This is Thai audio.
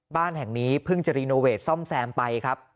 บ้านหลังนี้เพิ่งจะรีโนเวทซ่อมแซมไปครับ